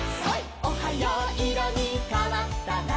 「おはよういろにかわったら」